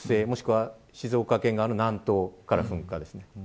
もしくは静岡県側の南東からの噴火です。